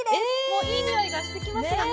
もういい匂いがしてきますよね。